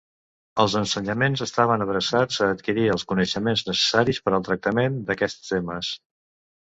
Els ensenyaments estaven adreçats a adquirir els coneixements necessaris per al tractament d'aquests temes.